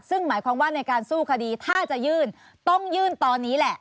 ซึ่งหมายความว่าในการสู้คดีถ้าจะยื่นต้องยื่นตอนนี้แหละ